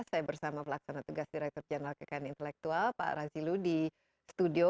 saya bersama pelaksana tugas direktur general kkni intelektual pak rasilo di studio